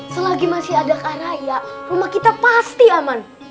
selagi masih ada kaya raya rumah kita pasti aman